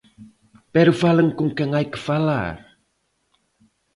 ¡Pero falen con quen hai que falar!